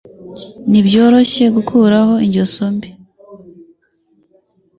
Ntibyoroshye gukuraho ingeso mbi.